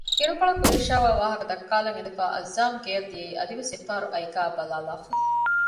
އިރުކޮޅަކު ޔޫޝައުއާ ވާހަކަދައްކާލަން އިނދެފައި އައްޒާމް ގެއަށް ދިޔައީ އަދިވެސް އެއްފަހަރު އައިކާއަށް ބަލާލާފަ